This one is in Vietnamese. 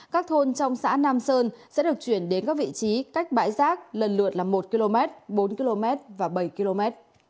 các thôn trong xã nam sơn sẽ được chuyển đến các vị trí cách bãi rác lần lượt là một km bốn km và bảy km